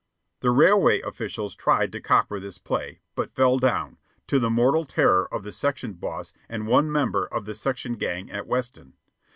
The railway officials tried to copper this play, but fell down, to the mortal terror of the section boss and one member of the section gang at Weston.